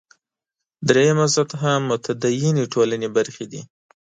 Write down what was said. درېیمه سطح متدینې ټولنې برخې دي.